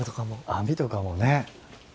網とかもね。